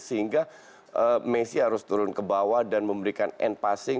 sehingga messi harus turun ke bawah dan memberikan end passing